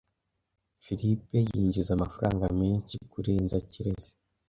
Philip yinjiza amafaranga menshi kurenza Kirezi .